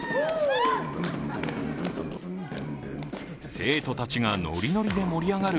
生徒たちがノリノリで盛り上がる